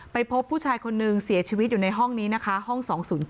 พบผู้ชายคนนึงเสียชีวิตอยู่ในห้องนี้นะคะห้อง๒๐๗